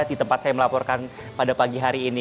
di tempat saya melaporkan pada pagi hari ini